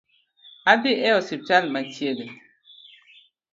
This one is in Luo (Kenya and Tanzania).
Adhi e osiptal machiegni